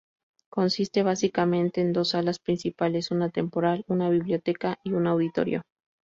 Consiste básicamente en dos salas principales, una temporal, una biblioteca y un Auditorio.